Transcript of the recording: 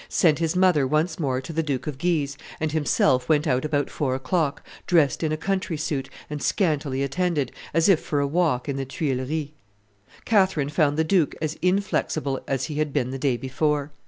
sent his mother once more to the Duke of Guise, and himself went out about four o'clock, dressed in a country suit and scantily attended, as if for a walk in the Tuileries. Catherine found the duke as inflexible as he had been the day before.